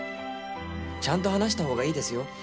ちゃんと話した方がいいですよ